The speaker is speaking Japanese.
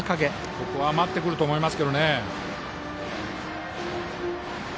ここは待ってくると思います。